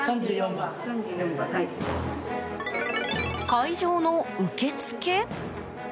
会場の受付？